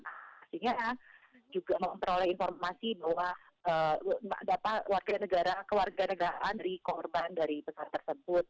maksudnya ya juga memperoleh informasi bahwa dapat warga negara kewarga negaraan dari korban dari pesawat tersebut